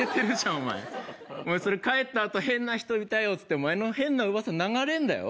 お前、それ、帰ったあと、変な人いたよって、お前の変なうわさ、流れんだよ。